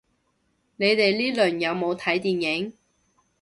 你哋呢輪有冇睇電影